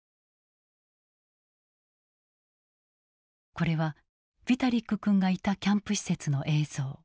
これはヴィタリック君がいたキャンプ施設の映像。